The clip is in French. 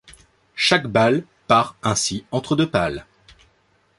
Chaque balle part ainsi entre deux pales.